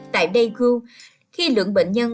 tại daegu khi lượng bệnh nhân